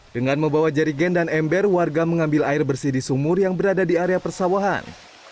dengan membawa jari gen dan ember warga mengambil air bersih di sumur yang berada di area persawahan